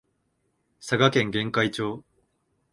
佐賀県玄海町